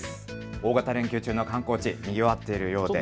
大型連休中の観光地、にぎわっているようです。